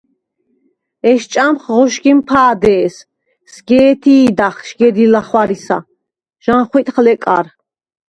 ეხჭამხ ღოშგიმ ფადე̄ს, სგ’ე̄თი̄დახ შგედი ლახვისგა, ჟანხვიტხ ლეკარ.